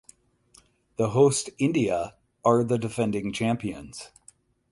The hosts India are the defending champions.